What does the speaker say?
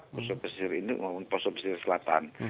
posok pesisir induk maupun posok pesisir selatan